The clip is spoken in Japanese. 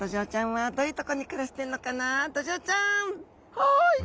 「はい」。